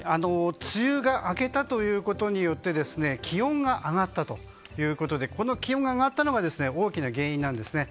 梅雨が明けたということによって気温が上がったということでこの気温が上がったことが大きな原因なんですね。